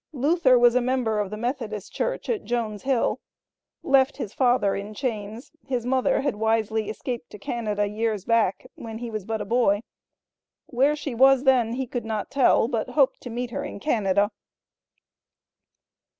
Luther was a member of the Methodist church at Jones Hill. Left his father in chains; his mother had wisely escaped to Canada years back, when he was but a boy. Where she was then, he could not tell, but hoped to meet her in Canada.